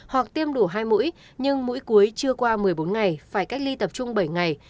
hoặc tiêm đủ hai mũi nhưng mũi cuối chưa qua một mươi bốn ngày phải cách ly tập trung bảy ngày